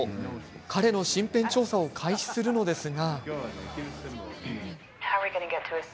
彼の身辺調査を開始するのですが。